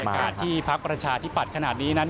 การที่พระอาจารย์อธิบัตรขนาดนี้นั้น